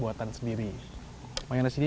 jadi kami lihat sekarang saya ingal